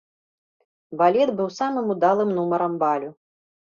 Балет быў самым удалым нумарам балю.